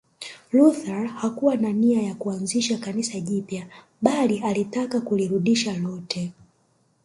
Luther hakuwa na nia ya kuanzisha Kanisa jipya bali alitaka kulirudisha lote